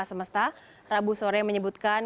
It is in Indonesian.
semesta rabu sore menyebutkan